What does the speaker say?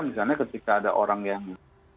misalnya ketika ada orang yang